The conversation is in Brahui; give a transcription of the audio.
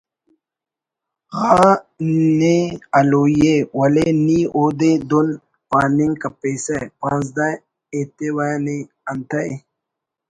غا نے ہلوئی ءِ ولے نی اودے دن پاننگ کپیسہ ”پانزدہ ایتوہ نے “ انتئے